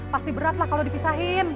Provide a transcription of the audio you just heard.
pasti beratlah kalau dipisahin